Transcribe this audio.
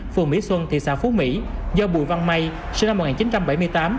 phường mỹ xuân thị xã phú mỹ do bùi văn may sinh năm một nghìn chín trăm bảy mươi tám